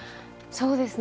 そうですね。